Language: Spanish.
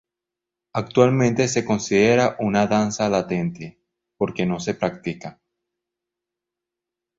Actualmente se considera una danza latente, porque no se practica.